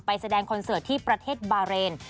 แสดงคอนเสิร์ตที่ประเทศบาเรน